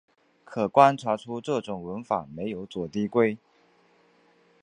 可观察出这种文法没有左递归。